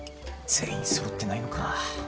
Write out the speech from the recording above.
全員そろってないのか。